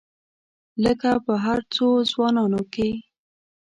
لکه په هرو څو ځوانانو کې.